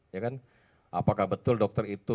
ya kan apakah betul dokter itu